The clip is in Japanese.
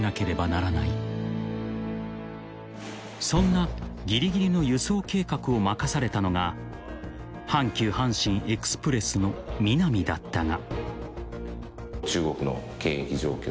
［そんなギリギリの輸送計画を任されたのが阪急阪神エクスプレスの南だったが］